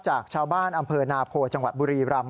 จากชาวบ้านอำเภอนาโพจังหวัดบุรีรำ